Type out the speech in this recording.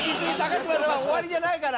嶋さん終わりじゃないから！